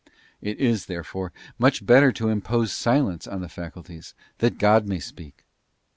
It is, therefore, much better to impose silence on the faculties, that God may speak.